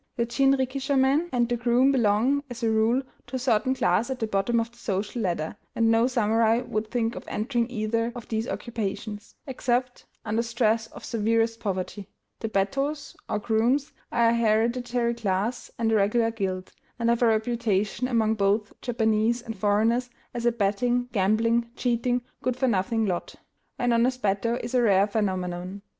The jinrikisha man and the groom belong, as a rule, to a certain class at the bottom of the social ladder, and no samurai would think of entering either of these occupations, except under stress of severest poverty. The bettōs, or grooms, are a hereditary class and a regular guild, and have a reputation, among both Japanese and foreigners, as a betting, gambling, cheating, good for nothing lot. An honest bettō is a rare phenomenon.